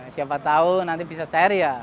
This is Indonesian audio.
siapa tahu nanti bisa cair ya